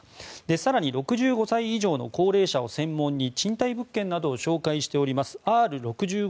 更に６５歳以上の高齢者を専門に賃貸物件などを紹介するＲ６５